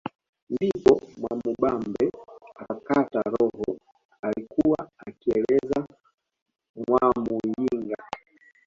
Ndipo Mwamubambe akakata roho alikuwa akieleza Mwamuyinga